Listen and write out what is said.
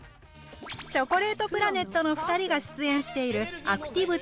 チョコレートプラネットの２人が出演している「アクティブ１０